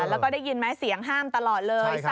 แล้วก็ได้ยินไหมเสียงห้ามตลอดเลย